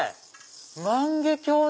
万華鏡だ！